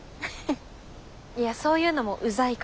いやそういうのもうざいから。